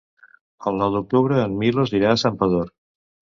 El nou d'octubre en Milos irà a Santpedor.